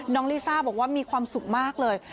ลิซ่าบอกว่ามีความสุขมากเลย